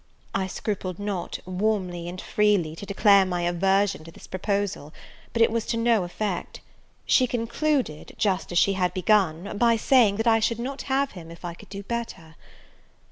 I scrupled not, warmly and freely, to declare my aversion to this proposal; but it was to no effect; she concluded, just as she had begun, by saying, that I should not have him, if I could do better.